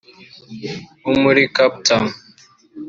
wo muri Cape Town